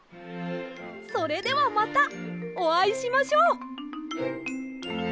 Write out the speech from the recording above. それではまたおあいしましょう！